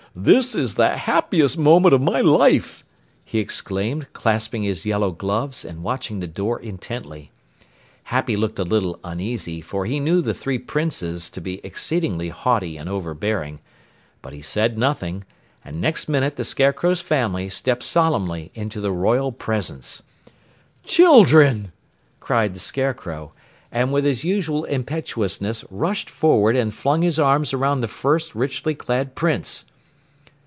"This is the happiest moment of my life!" he exclaimed, clasping his yellow gloves and watching the door intently. Happy looked a little uneasy, for he knew the three Princes to be exceedingly haughty and overbearing, but he said nothing, and next minute the Scarecrow's family stepped solemnly into the royal presence. "Children!" cried the Scarecrow, and with his usual impetuousness rushed forward and flung his arms around the first richly clad Prince.